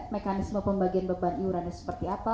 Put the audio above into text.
mekanisme pembagian beban iurannya seperti apa